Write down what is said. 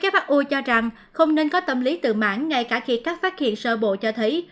who cho rằng không nên có tâm lý tự mãn ngay cả khi các phát hiện sơ bộ cho thấy